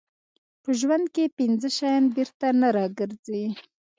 په ژوند کې پنځه شیان بېرته نه راګرځي.